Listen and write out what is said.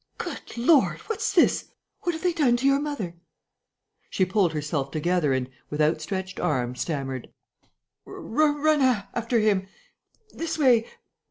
"Good lord, what's this?... What have they done to your mother?" She pulled herself together and, with outstretched arm, stammered: "Run after him!... This way!...